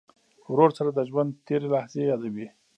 ورور سره د ژوند تېرې لحظې یادوې.